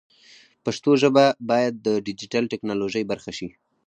پښتو ژبه باید د ډیجیټل ټکنالوژۍ برخه شي.